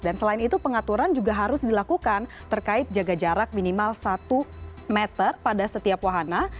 dan selain itu pengaturan juga harus dilakukan terkait jaga jarak minimal satu meter pada setiap wahana